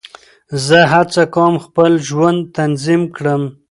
زه هڅه کوم خپل ژوند تنظیم کړم.